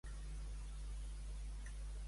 A Novelda, de la boca els trec la merda.